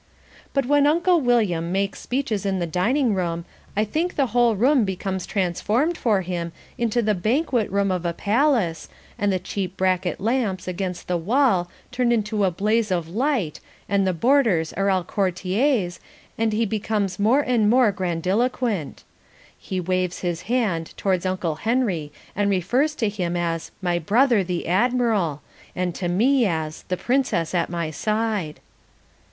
But when Uncle William makes speeches in the dining room I think the whole room becomes transformed for him into the banquet room of a palace, and the cheap bracket lamps against the wall turn into a blaze of light and the boarders are all courtiers, and he becomes more and more grandiloquent. He waves his hand towards Uncle Henry and refers to him as "my brother the Admiral," and to me as "the Princess at my side."